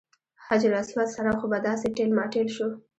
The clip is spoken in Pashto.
حجر اسود سره خو به داسې ټېل ماټېل شو.